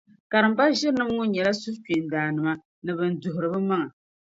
Karimba ʒirinim’ ŋɔ nyɛla suhukpeendaannima ni bɛn duhiri bɛmaŋa.